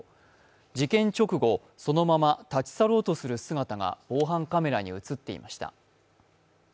事件直後、そのまま立ち去ろうとする姿が防犯カメラに映っていました。